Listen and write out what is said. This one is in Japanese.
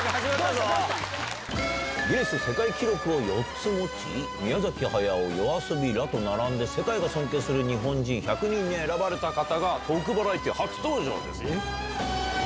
ギネス世界記録を４つ持ち、宮崎駿、ＹＯＡＳＯＢＩらと並んで世界が尊敬する日本人１００人に選ばれた方が、トークバラエティー初登場です。